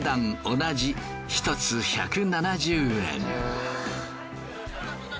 同じ１つ１７０円。